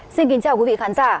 xin kính chào quý vị khán giả